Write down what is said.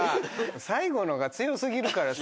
最後のが強過ぎるからさ。